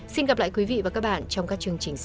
xin gặp lại quý vị và các bạn trong các chương trình sau